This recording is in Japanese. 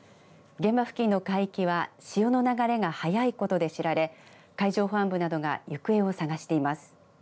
現場付近の海域は潮の流れが速いことで知られ海上保安部などが行方を捜しています。